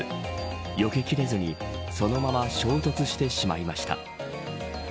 よけきれずにそのまま衝突してしまいました。